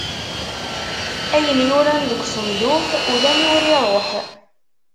Ayen yuran deg usenduḥ, ula aniwer iṛuḥ.